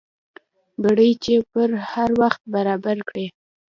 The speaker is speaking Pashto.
ګړۍ چې پر هر وخت برابر کړې.